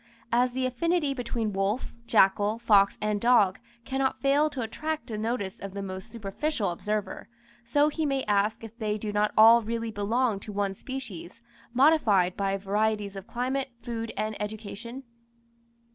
As the affinity between wolf, jackal, fox, and dog, cannot fail to attract the notice of the most superficial observer; so he may ask if they do not all really belong to one species, modified by varieties of climate, food, and education?